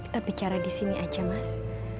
tapi cara disini aja mas